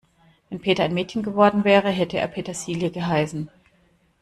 Wenn Peter ein Mädchen geworden wäre, hätte er Petersilie geheißen.